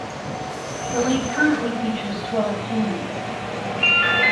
The league currently features twelve teams.